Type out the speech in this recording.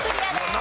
何？